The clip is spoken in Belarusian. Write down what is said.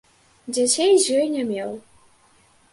Дзяцей з ёй не меў.